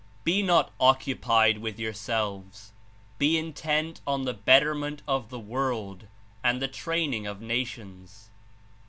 Be not occupied with your selves. Be Intent on the betterment of the world and the training of nations.